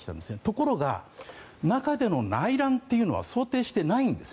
ところが、中での内乱というのは想定していないんです。